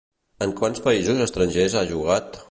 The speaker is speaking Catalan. En quants països estrangers ha jugat?